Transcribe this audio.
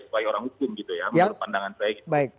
saya orang hukum gitu ya menurut pandangan saya